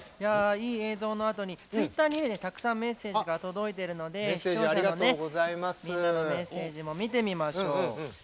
いい映像のあとにねツイッターにたくさんメッセージが届いてるので視聴者のみんなのメッセージも見てみましょう。